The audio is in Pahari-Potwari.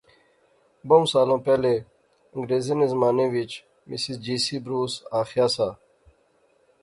بہوں سالاں پہلے انگریریں نے زمانے وچ مسز جی سی بروس آخیا سا